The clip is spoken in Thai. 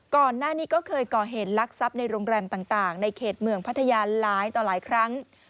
ก่อนหน้านี้ก็เคยก่อเหตุลักษัพในโรงแรมต่างในเขตเมืองพัทยาหลายต่อหลายครั้ง